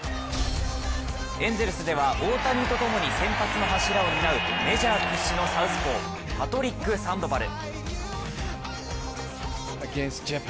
エンゼルスでは大谷とともに先発の柱を担うメジャー屈指のサウスポーパトリック・サンドバル。